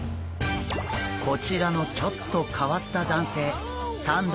こちらのちょっとかわっただんせい。